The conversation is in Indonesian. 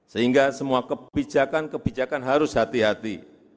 sehingga semua kebijakan kebijakan harus hati hati